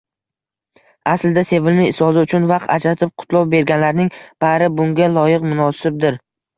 Aslida sevimli ustozi uchun vaqt ajratib, qutlov berganlarning bari bunga loyiq, munosibdir.